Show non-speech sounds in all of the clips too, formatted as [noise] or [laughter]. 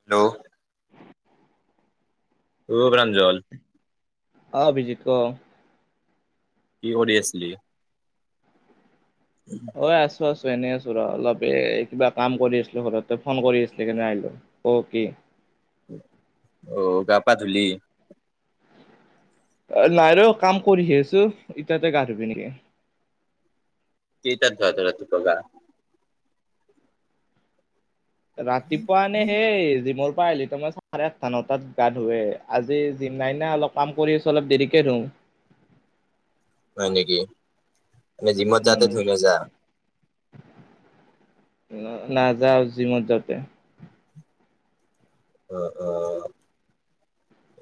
Hello অ প্ৰাঞ্জল অ অভিজিত ক কি কৰি আছিলি ঐ আছো আছো এনেই আছো অলপ এই কিবা কাম কৰি আছিলো ঘৰতে ফোন কৰি আছিল কেনে আহিলো অ কি। অ গা পা ধূলি। নাই ৰ কাম কৰিহি আছো ইতিয়াতে গা ধুবি নেকি? কেই তাত ধুও ৰাতিপুৱা তই গা। ৰাতিপুৱা এনে সেই জি মোৰ পাই আহলি তো মই চাৰে আঠটা নটাত গা ধৱে আজি জিম নাই না অলপ কাম কৰিছ অলপ দেৰিকে ধোওঁ। হয় নেকি, মে জিমত যাতে ধুই নযা। নাযাওঁ জিমত যাওঁতে। অ অ।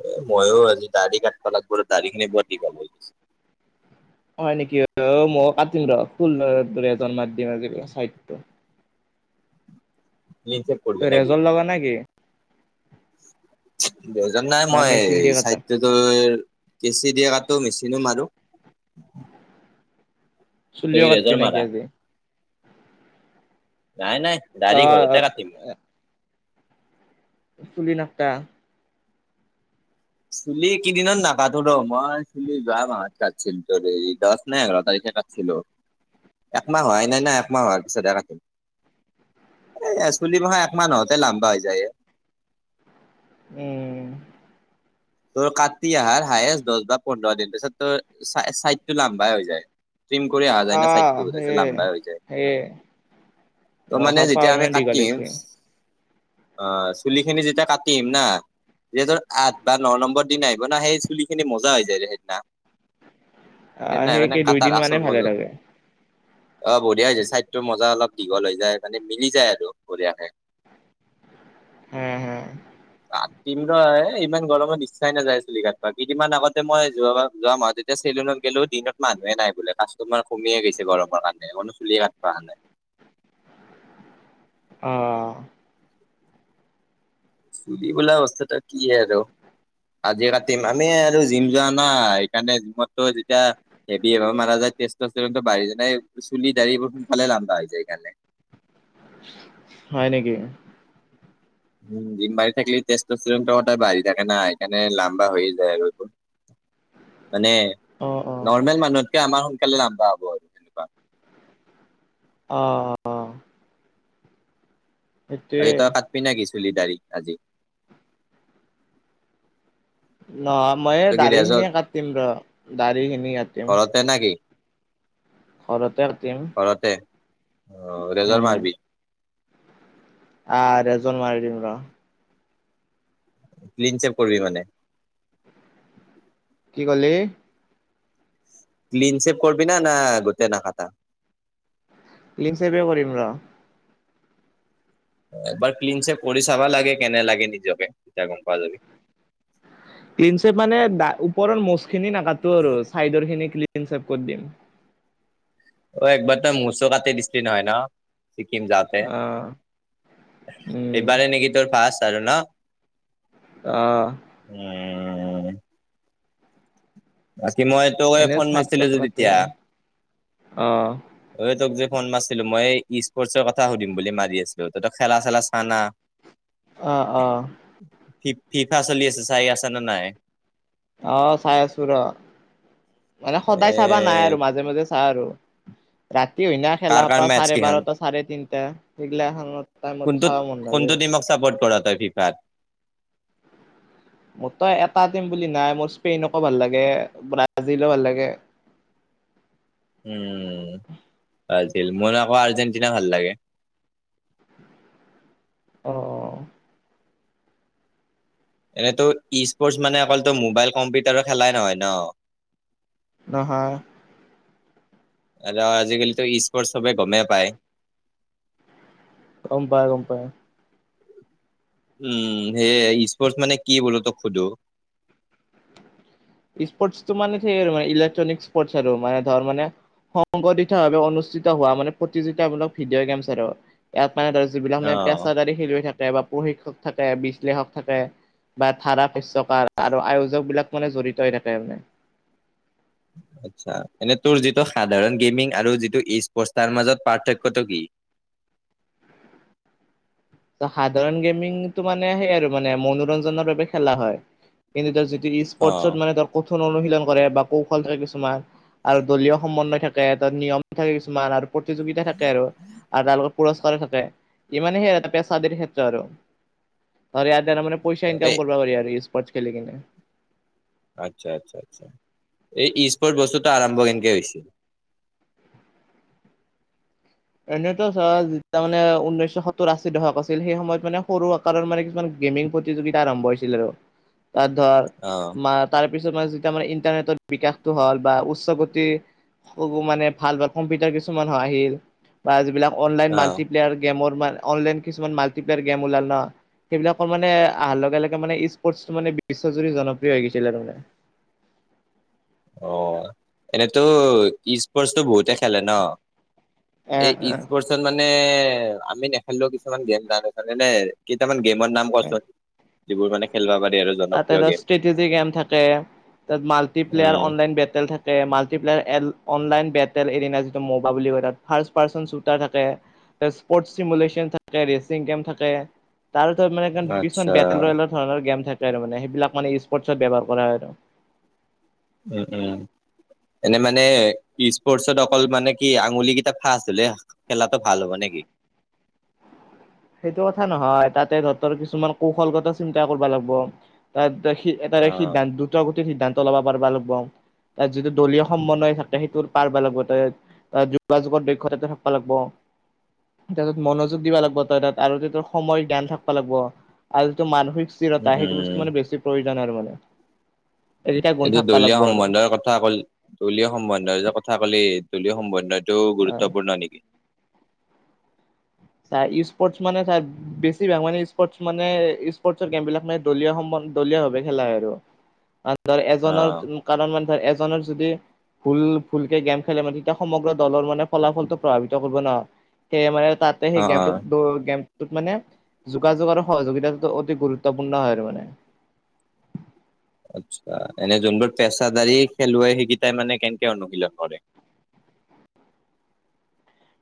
এ মইয়ো আজি দাঢ়ি কাটব লাগিব দাঢ়ী খিনি বৰ দীঘল হৈ গৈছে। হয় নেকি মই কাটিম ৰ ফুল এজন মম চটো। ক্লিন চেভ তই ৰেজল লগা নে কি। বজন নাই না মই মেচিন দি কাটা চাহিতটোৰ। কেঁচি দিয়ে কাটো মেচিনে মাৰো। তই চুলিও কি কাটবি লেজাৰ নেকি মাৰা আজি। নাই নাই অ দাড়ি ঘৰতে কাতিম। চুলি নাকটা। চুলি কেইদিনত নাকাতো ৰ মই চুলি যোৱা মাহত কাটছিল ত এই দহ নে এঘাৰ তাৰিখ। একমাহ হোৱাই নাই না একমাহ হোৱাৰ পিছত এ কা এ চুলি মাহা এক মাহতে লাম্বা হৈ যায়। উম। তোৰ কাটি আহাৰ হায়ষ্ট দহ বা পোন্ধৰ দিন পিছত তোৰ চাইডটো লাম্বাই হৈ যায়। তিম কৰি অহা যায় ন আহ চাইডটোই যে সেয়ে লাম্বাই হৈ যায়। সেয়ে ত' মানে বৰ্ষা পাও যেতিয়া আমি ইমান দীঘল কাটিম। হৈছে অ চুলি খিনি যেতিয়া কাটিম না যেতৰ আঠ। বা ন নম্বৰ দিনা আহিব না সেই চুলি খিনি মজা হৈ যায় সেইদিনা। সেই আহ নাই মানে কি কাটাৰ দুইদিন মানে আচল ভালে মজুত। থাকে। অ বঢ়িয়া হৈ যায় ছাইদটোৰ মজা অলপ দীঘল হৈ যায় মানে মিলি যায় আৰু বঢ়িয়াকে। [unintelligible] হ হ। কতিম ৰ ইমান। গৰমত ইচ্ছাই নাযায় চুলি কাটবা কেইদিনমান আগতে মই যোৱা যোৱা মাহত তেতিয়া চেলুনত গ'লোঁ দিনত মানুহে নাই। বোলে কাষ্টৰ মাৰ কমিয়ে গৈছে গৰমৰ কাৰণে কনো চুলিয়ে কাটব অহা নাই। [unintelligible] অ। চুৰি বোলা অৱস্থাটা কি হয় আৰু। আজি কাতিম আমি আৰু জিম যোৱা নাই সেইকাৰণে জিমতো যেতিয়া। হেবি মাৰ যায় তেষ্ট। বাৰি যানাই চুলি দা়ৰি বোৰ ফালে লান্দা হৈ যায় এই কানে হয় নেকি। উ ডিম বাই থাকিল তেষ্ট চ কত বাঢ়ি থাকে না সেই কানে লাম্বা হৈ যায় আৰু। মানে অ', অ'। নৰ্মেল মানুহতকে আমাৰ সোনকালে লাম্বা হ'ব আৰু তেনেকুৱা। আহ। অ তই কাটবি না কি চুলি দাড়ি আজি। নহ মই তই কি দাড়ি ৰেজত খিনিয়ে কাটিম ৰ দাড়ি খিনি কাটিম। ঘৰতে না কি ঘৰতে কাটিম। ঘৰতে অ ৰেজাৰ উম। মাৰবি আহ ৰেজৰ মাৰি দিম ৰ। ক্লিন চপ কৰিবি মানে। কি কলি ক্লিন চেপ কৰিবি না, না গোতেই না কাতা ক্লিম চেপে কৰিম ৰ। এবাৰ ক্লিন চেপ কৰি চাবা লাগে কেনে লাগে নিজকে তেতিয়া গম পোৱা যাবি। ক্লিন চেপ মানে ওপৰৰ মোচখিনি নাকাটো আৰু চাইডৰ খিনি ক্লিন চেপ কৰি দিম। অ একবাৰ তই মোচো কাটি দিছিলি নহয় ন? ছিকিম যাওঁতে অ'। উম, এইবাৰে নেকি তোৰ ফাষ্ট আৰু ন? অহ উম উম কি মই তোক এনে ফোন চাইড মাছিলো যে টকাতে তেতিয়া অ এই তোক যে ফোন মাৰছিলো মই ই স্পৰ্টছৰ কথা সুধিম বুলি মাৰি আছিলো তই তোৰ খেলা চেলা চাও না। আহ আহ ফি ফিফা চলি আছে চাই আছা নে নাই? অ চাই আছো ৰ মানে এ সদায় চাবা নাই আৰু মাজে মাজে চাওঁ আৰু ৰাতি হৈ না কাৰ খেলা কাৰ সোপা মেচ চাৰে কিখান বাৰটা চাৰে তিনিটা সেইগিলা খানৰ টাইমত কোনটোত চাবা মন কোনটো নাযায়। টিমক চাপৰ্ট কৰা তই ফিফাত মোৰ তো এটা টিম বুলি নাই মোৰ স্পেইনকো ভাল লাগে ব্ৰাজিলো ভাল লাগে। উম আছিল মই নাইকোৱা আৰ্জেণ্টিনা ভাল লাগে। অ এনেতো স্পৰ্টচ মানে অকলতো মোবাইল কম্পিউটাৰৰ খেলাই নহয় ন। নহয় আৰু আজিকালিতো ম্পৰ্ট চবে গমেই পায়। গম পায় গম পায় উম সেয়ে স্পৰ্টছ মানে কি বলো তোক সোধো? স্পৰ্টছটো মানে সেই আৰু ইলেকট্ৰনিক স্পৰ্টছ আৰু মানে ধৰ মানে সংঘটিত ভাৱে অনুষ্ঠিত হোৱা মানে প্ৰতিযোগিতামূলক ভিডিঅ' গেমচ আৰু ইয়াত মানে ধৰ যিবিলাক অ মানে পেছাদাৰী খেলুৱৈ থাকে বা প্ৰশিক্ষক থাকে বিশ্লেষক থাকে বা ধাৰা শস্য কাৰ আৰু আয়োজক বিলাক মানে জড়িত হৈ থাকে মানে। [unintelligible] আচ্ছা এনে তোৰ যিটো সাধাৰণ গেমিং আৰু যিটো স্পৰ্ট তাৰ মাজত পাৰ্থক্যটো কি? [inaudible] সাধাৰণ গেমিংটো মানে সেই আৰু মানে মনোৰঞ্জনৰ বাবে খেলা হয় কিন্তু যি অ স্পৰ্টচত মানে ধৰ কঠোৰ অনুশীলন কৰে বা কৌশল থাকে কিছুমান আৰু দলীয় সমন্বয় থাকে এ তাত নিয়ম থাকে কিছুমান আৰু প্ৰতিযোগিতা থাকে আৰু আৰু তাৰ লগত পুৰস্কাৰো থাকে, ইমানে সেয়া এটা ক্ষেত্ৰ আৰু ইয়াৰ দ্বাৰা মানে পইচা এই ইনকাম কৰিব পাৰি আৰু স্পৰ্টচ খেলিকিনে। আচ্ছা আচ্ছা আচ্ছা এই স্পৰ্ট বস্তুত আৰম্ভ কেনকে হৈছে? [inaudible] এনেইতো চোৱা মানে উনৈশ সত্তৰ আশী দশক আছিল সেই সময়ত মানে সৰু আকাৰৰ মানে কিছুমান গেমিং প্ৰতিযোগিতা আৰম্ভ হৈছিল আৰু তাত ধৰ অ মা তাৰ তাৰপিছত মানে যেতিয়া আমাৰ ইন্টাৰনেটৰ বিকাশটো হল বা উচ্চ গতিৰ মানে ভাল ভাল কম্পিউটাৰ কিছুমান হয় আহিল বা যিবিলাক অনলাইন অ মাল্টিপ্লেয়াৰ গেমলাইনৰ কিছুমান মাল্টিপ্লেয়াৰ গেম ওলাল ন। সেইবিলাকৰ মানে অহাৰ লগে লগে মানে স্পৰ্টটো মানে বিশ্বজুৰি জনপ্ৰিয় হৈ গৈছিলে তাৰ মানে। [inaudible] অ এনেতো ই স্পৰ্টচটো বহুতে খেলে ন? এই এ স্পৰ্টচত মানে আমি নেখেলিলেও কিছুমান গেমে তাত আছে নে কেইটা মানে [unintelligible] গেমত নাম এ এ কোৱাচোন যিবোৰ মানে খেলিব পাৰে। তাতে ষ্ট্ৰেটেজি গেম থাকে তাত মাল্টিপ্লেয়াৰ উম অনলাইন বেটেল থাকে। [unintelligible] মাল্টিপ্লয়াৰ এন অনলাইন বেটেল এই দিনা যিটো ম'বাইল বুলি কয় তাত ফাৰ্ষ পাৰ্চেন্টে চুৰটা থাকে। স্পৰ্ট চিমুলেশচন থাকে ৰেচিং গেম থাকে। তাৰ পিছত মানে আচ্ছা বেটেলৰ ধৰণৰ গেম থাকে। মানে সেইবিলাক মানে স্পৰ্টচ ব্যৱহাৰ কৰা হয় আৰু। উম উম। এনে মানে স্পৰ্টচত অকল মানে কি আঙুলি কেইটা ফাখ আছিলে খেলাব ভাল হ'ব নে। [unintelligible] কি। সেইটো কথা নহয় তাতে সিহঁতৰ কিছুমান কৌশলগত চিন্তা কৰিব লাগিব তাত। এটা সি এটা অ সিদ্ধান্ত দুটা গোটেই সিদ্ধান্ত ল'ব পাৰিবা লাগিব। তাত যিটো দলীয় সমন্বয় থাকে সেইটো পাৰব লাগিব। যোগাযোগত দক্ষতা থাকিবা লাগব। তাৰ পিছত মনোযোগ দিবা লাগিব। আৰু যিটো সময়ৰ জ্ঞান থাকিব লাগিব। আৰু যিটো মানসিক উম স্থিৰতা সেইটো উম বস্তু মানে বেছি প্ৰয়োজন। জ্ঞানৰ মানে। এইকেইটা গুণ এইটো থাকিব দলীয় লাগিব আৰু সম্বন্ধৰ কথা কলি, দলীয় সম্বন্ধৰ যে কথা কলি দলীয় সম্বন্ধত। এটো গুৰুত্বপূৰ্ণ নেকি। তাৰ স্পৰ্টচ মানে তাৰ বেছিভাগ মানে স্পৰ্টচ মানে স্পৰ্টচৰ গেম বিলাক মানে দলীয় সম্বন্ধ। [unintelligible] দলিয় ভাৱে খেলা হয় আৰু। [inaudible] ধৰ অ এজনৰ কাৰণ মানে ধৰ এজনৰ যদি। ফুল ফুলকে গেম খেলে মানে তেতিয়া সমগ্ৰ দলৰ মানে ফলাফলটো প্ৰভাৱিত কৰিব ন। সেই মানে তাতে অ সেই অ গেমটো দল গেম। মানে যোগাযোগ আৰু সহযোগিতাটো অতি গুৰুত্বপূৰ্ণ হয় আৰু মানে। [inaudible] আচ্ছা এনে যোনবোৰ পেছাদাৰী খেলুৱৈ সেইকেইটাই মানে কেনেকে অনুশীলন কৰে। [inaudible]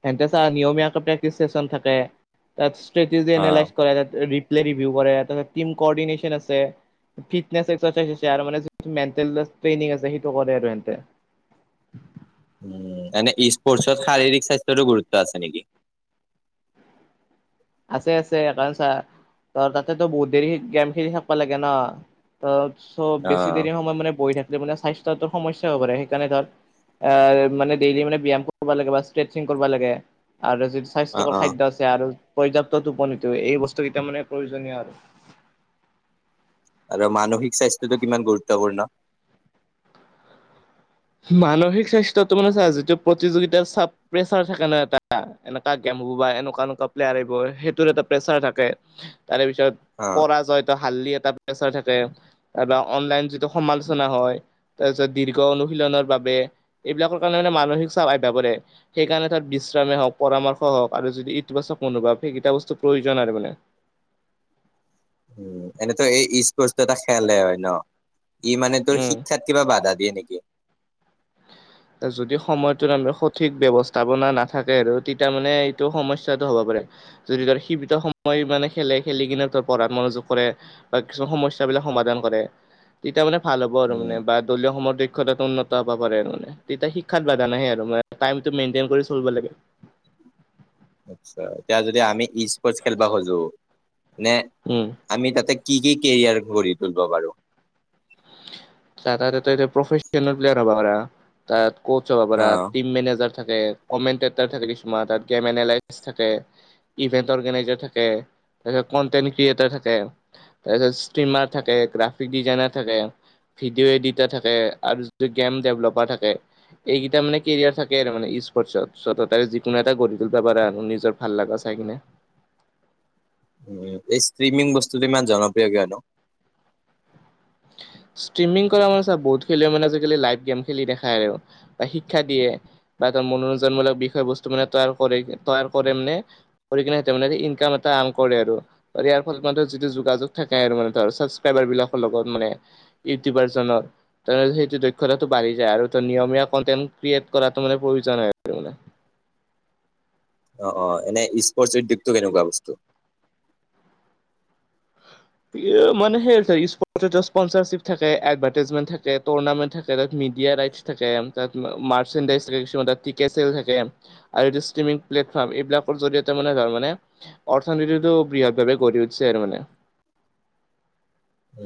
সিহঁতে ছা নিয়মীয় প্ৰেক্টিচ চেন থাকে। তাত ষ্ট্ৰেটিজেন অ এনালাইজ কৰে। প্লে ৰিভিউ কৰে তাতে টিম কৰ্ডিনেশ্যন আছে। ফিটনেছ এক্সাইজ আছে আৰু মানে মেল ট্ৰেইলাৰ আছে সেইটো কৰে আৰু হেন্তে। [inaudible] উম এনে ইস্পৰ্টচত শাৰীৰিক স্বাস্থ্যৰো গুৰুত্ব আছে নেকি। আছে আছে একানচা। [unintelligible] ত তাতেতো বহুত দেৰি গেম খেলি থাকিবা লাগে ন ত। চ'ব বেছি অ', দেৰি সময় মানে বহি থাকিলে মানে স্বাস্থ্যত টো সমস্যা হ'ব পাৰে সেইকাৰণে তাত। আহ মানে ডেইলি মানে ব্যায়াম কৰিব লাগে বা ষ্ট্ৰেচিং কৰিব লাগে। আৰু যিটো স্বাস্থ্যকৰ অ', খাদ্য আছে আৰু। পৰ্যাপ্তত টোপনীতো এই বস্তুকেইটা মানে প্ৰয়োজনীয় আৰু। আৰু মানসিক স্বাস্থ্যটো কিমান গুৰুত্বপূৰ্ণ। মানসিক স্বাস্থ্যয়তটো মানে চা‌ যিটো প্ৰতিযোগিতাত চাপ প্ৰেচাৰ থাকে ন এটা এনেকা জ্ঞান। মোৰ বা এনেকুৱ এনেকুৱা প্লেয়াৰ আহিব সেইটোৰ এটা প্ৰেচাৰ থাকে। তাৰে পিছত অ'। পৰাজয়ত হাল্দি এ। তাত থাকে তাৰ পৰা অনলাইন যিটো সমালোচনা হয় তাৰপিছত দীৰ্ঘ অনু। শিলনৰ বাবে এইবিলাকৰ কাৰণে মানসিক চাপ আহি পৰে সেইকাৰণে তাত বিশ্ৰামেই হওঁক পৰামৰ্শ। আৰু যদি ইতিবাচক মনোভাৱ সেইকেইটা বস্তু প্ৰয়োজন আৰু মানে। উম এনেতো এই ইস্পৰ্ট এটা খেলেই হয় ন। ই মানে তোৰ উম শিক্ষাত কিবা বাধা দিয়ে নেকি। যদি সময়ত আমাৰ সঠিক ব্যৱস্থাপনা নাথাকে, আৰু তেতিয়া মানে এইটো সমস্যা হ'ব পাৰে। যদি তাৰ সীমিত সময় মানে খেলে খেলি কিনে, ত পঢ়াত মনোযোগ কৰে বা কিছুমান সমস্যা। এইবিলাক সমাধান কৰে তেতিয়া মানে ভাল হ'ব আৰু উম। মানে বা দলীয় সমূহৰ দক্ষতাটো উন্নত হ'ব পাৰে আৰু মানে। তেতিয়া শিক্ষাত বাধা নাহে আৰু মানে টাইমটো মেইনতেইন কৰি চলিব লাগে। আচ্ছা। এতিয়া যদি আমি ই স্পৰ্টচ খেলিব খোজোঁ। নে উম, আমি তাতে কি কি কেৰিয়াৰ ঘৰি তুলিব বাৰু। চা তা এতিয়া তা এতিয়া প্ৰফেশ্যনেল যাব পাৰা। তাত কোচ হব পাৰা, অ'। Team manager. থাকে। কমেনতেটাৰ থাকে কিছুমান তাত, গেম এনেলাইছ থাকে, ইভেন্টৰ অৰ্গেনাইজাৰ থাকে। তাৰপিছত কণ্টেন্ট ক্ৰিয়েটাৰ থাকে, তাৰপিছত স্ত্ৰীমাৰ থাকে, গ্ৰাফিক ডিজাইনাৰ থাকে, ভিডিঅ' এডিটাৰ থাকে আৰু য গেম ডেভলপাৰ থাকে। এইকেইটা মানে কেৰিয়াৰ থাকে আৰু মানে ই স্পৰ্টচত। চত এটাই যিকোনো এটা গঢ়ি তুলিব পাৰে আৰু নিজৰ ভাল লগা চাই কিনে। এই ষ্ট্ৰিমিং বস্তুটো ইমান জনপ্ৰিয় কিয়নো? [inaudible] স্ত্ৰীমিং কৰা মানে চা। বহুত খেলুৱৈ মানে আজিকালি লাইভ গেম খেলি দেখায় আৰু বা শিক্ষা দিয়ে বা মনোৰঞ্জন মূলক বিষয় বস্তু মানে তৈয়াৰ কৰি তৈয়াৰ কৰে মানে কৰি কিনে তেম্পেৰেৰি ইনকাম এটা কৰে আৰু। ইয়াৰ ফলত মান যিটো যোগাযোগ থাকে আৰু মানে তাৰ ছাবচক্ৰাইবাৰ বিলাকৰ লগত। মানে ইউটিউবাৰ জনৰ। সেইটো দক্ষতাটো বাঢ়ি যায় আৰু তই নিয়মীয়া কনটেণ্ট ক্ৰিয়েট কৰাটো মানে প্ৰয়োজন হয় আছিল মানে। অ অ এনে স্পৰ্টচ দিপটো কেনেকুৱা বস্তু? মানে সে স্পট ত ইছপঞ্চাৰচিভ থাকে, এদভাৰটাইজেমেণ্ট থাকে, তুৰ্ণামেন্ত থাকে। তাত ইণ্ডিয়া ৰাইছ থাকে। তাঁত মাৰসান্দাইছ কিছুমান টিকেট চেল থাকে আৰু ষ্ট্ৰিমিং প্লেট। এইবিলাকৰ জৰিয়তে মানে ধৰ মানে অৰ্থনীতিটো বৃহৎ ভাৱে গঢ়ি উঠিছে আৰু মানে।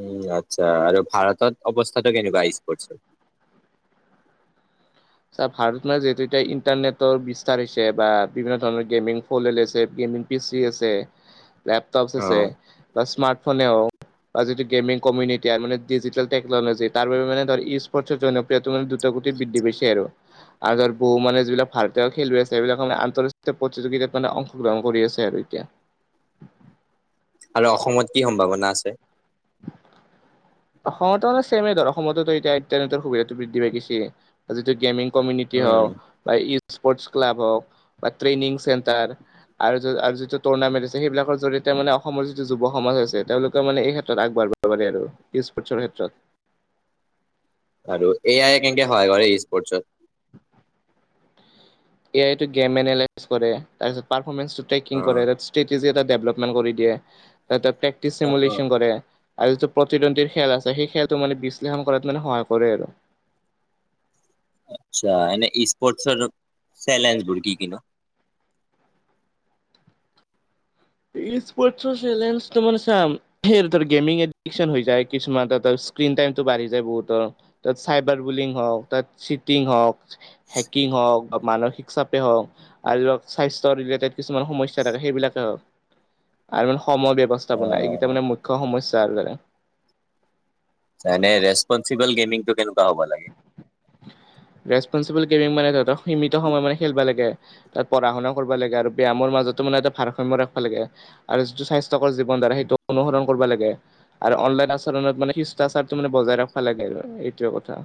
উম আচ্ছা আৰু ভাৰতত অৱস্থাটো কেনেকোৱা স্পৰ্টছৰ। চা ভাৰতত না যিহেতু এতিয়া ইন্টাৰনেটৰ বিস্তাৰ হৈছে বা বিভিন্ন ধৰণৰ গেমিং ফন ওলাইছে। পিচি আছে, লেপটপচ আছে অ', বা স্মাৰ্ট ফোনে হওক। বা যিটো গেমিং কমিনিটিয়ে মানে ডিজিটেল টেকনলজি। তাৰ বাবে মানে ধৰ ই স্পৰ্টছৰ জনপ্ৰিয়টো মানে দূত গতিত বৃদ্ধি পাইছে আৰু। আৰু ধৰ বহু মানে যিবিলাক ভাৰতীয় খেলুৱৈ আছে এইবিলাক মানে আন্তঃৰাষ্ট্ৰীয় প্ৰতিযোগিতাত মানে অংশগ্ৰহণ কৰি আছে আৰু এতিয়া। আৰু অসমত কি সম্ভাৱনা আছে? অসমতো মানে ছেমে ধৰ। অসমতো এতিয়া ইনটানেতৰ সুবিধাটো বৃদ্ধি পাই গৈছে। যিটো গেমিং কমিনিতি হ উম, বা ই স্পৰ্টচ ক্লাব হওক বা ট্ৰেইনিং চেণ্টাৰ আৰু যত আৰু যিটো টুৰ্নামেন্ট আছে সেইবিলাকৰ জৰিয়তে এতিয়া মানে অসমৰ যিটো যুৱ সমাজ হৈছে, তেওঁলোকে মানে এই ক্ষেত্ৰত আগবাঢ়িব পাৰি আৰু ই স্পৰটছৰ ক্ষেত্ৰত। আৰু এ আই কেনেকে সহায় কৰে ই স্পৰ্টচত? এ আই এইটো গেম এনেলাইচ কৰে। তাৰপিছত পাৰফমেন্স দুটাই কিং অ'। কৰে। ষ্টেতিজে দেভলপমেণ্ট কৰি দিয়ে। তাঁত প্ৰক্টিছ অ', অ'। সেমুলেচন কৰে। আৰু যিটো প্ৰতিদ্বন্দ্বীৰ খেল আছে, সেই খেলটো মানে বিশ্লেষণ কৰাত মানে সহায় কৰে আৰু। আচ্ছা এনে ই স্পৰ্টছৰ চেলে ভকি কি ন। ৰীলছ ৱাটচৰ চেলেঞ্জ কিমান চাম। সেই দুটাত গেমিং এডিক চন হৈ যায়। কিছুমান তাত স্ক্ৰীণ টাইমটো বাঢ়ি যায় বহুত। তাত চাইবাৰ বুলিং হওক, তাত চিটিং হওক, হেকিং হওক, মানসিক চাপে হওক আৰু ধক স্বাস্থ্যৰ ৰিলেটেড কিছুমান সমস্যা থাকে সেইবিলাকে হওক। আৰু মানে সময় ব্যৱস্থাপনা এইকেইটা অ', মানে মুখ্য সমস্যা আৰু যেনে। যেনে ৰেচপনচিবল গেমিং টো কেনেকুৱা হ'ব লাগে? ৰেচপনচিবল গেমিং মানে তহতক সীমিত সময় মানে খেলিব লাগে। তাত পঢ়া শুনাও কৰিব লাগে আৰু ব্যায়ামৰ মাজতো মানে এটা ভাৰসাম্য ৰাখব লাগে আৰু যিটো স্বাস্থ্যকৰ জীৱন সেইটো অনুসৰণ কৰিব লাগে আৰু অনলাইন আচৰণত মানে শিষ্টাচাৰটো মানে বজাই ৰাখবা লাগে আৰু সেইটোৱে কথা।